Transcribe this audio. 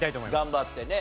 頑張ってね。